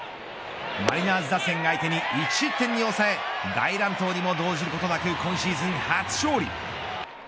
マリナーズ打線相手に１失点に抑え大乱闘にも動じることなく今シーズン初勝利。